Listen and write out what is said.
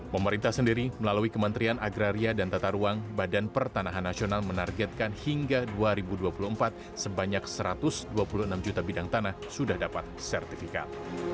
pemerintah sendiri melalui kementerian agraria dan tata ruang badan pertanahan nasional menargetkan hingga dua ribu dua puluh empat sebanyak satu ratus dua puluh enam juta bidang tanah sudah dapat sertifikat